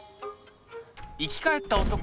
生き返った男